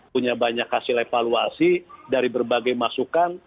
punya banyak hasil evaluasi dari berbagai masukan